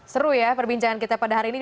seru ya perbincangan kita pada hari ini